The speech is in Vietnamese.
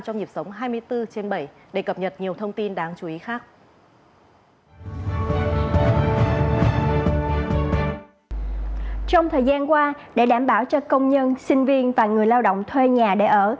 trong thời gian qua để đảm bảo cho công nhân sinh viên và người lao động thuê nhà để ở